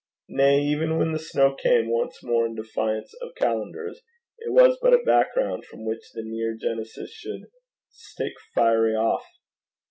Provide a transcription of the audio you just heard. Nay, even when the snow came once more in defiance of calendars, it was but a background from which the near genesis should 'stick fiery off.'